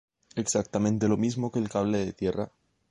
Exactamente lo mismo que el cable de tierra.